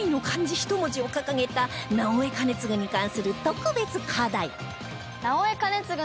１文字を掲げた直江兼続に関する特別課題